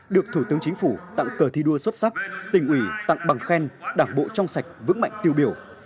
được thủ tướng chính phủ tặng cờ thi đua xuất sắc tỉnh ủy tặng bằng khen đảng bộ trong sạch vững mạnh tiêu biểu